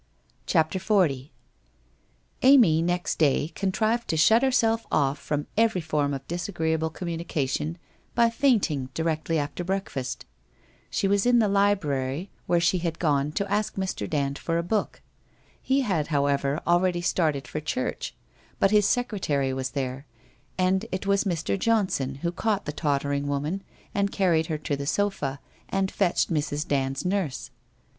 CHAPTER XL Amy next day contrived to shut herself off from every form of disagreeable communication by fainting directly after breakfast. She was in the library, where she had gone to ask Mr. Dand for a book. He had however already started for church, but his secretary was there, and it was Mr. Johnson who caught the tottering woman and carried her to the sofa, and fetched Mrs. Band's nurse.